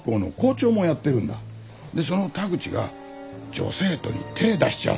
でその田口が女生徒に手ぇ出しちゃう。